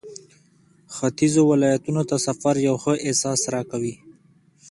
ختيځو ولایتونو ته سفر یو ښه احساس راکوي.